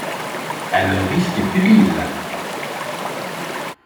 À leurs risques et périls.